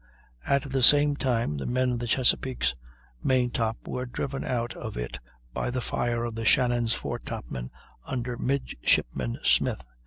At the same time the men in the Chesapeake's main top were driven out of it by the fire of the Shannon's foretopmen, under Midshipman Smith.